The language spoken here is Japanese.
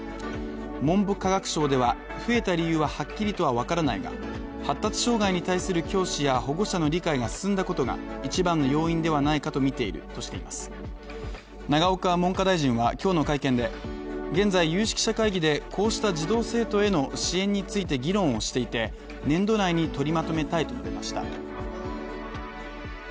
文部科学省では増えた理由ははっきりとは分からないが発達障害に対する教師や保護者の理解が進んだことが一番の要因ではないかとみているとしています永岡文科大臣は今日の会見で現在、有識者会議でこうした児童生徒への支援について議論していて、年度内に取りまとめたいと述べました。